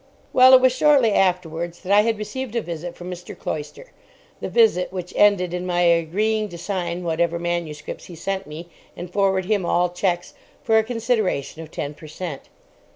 Well, it was shortly afterwards that I had received a visit from Mr. Cloyster—the visit which ended in my agreeing to sign whatever manuscripts he sent me, and forward him all cheques for a consideration of ten per cent.